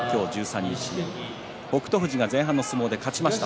富士が前半の相撲で勝ちました。